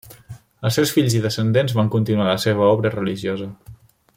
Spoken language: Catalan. Els seus fills i descendents van continuar la seva obra religiosa.